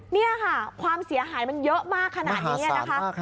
นี่ค่ะความเสียหายมันเยอะมากขนาดนี้นะคะ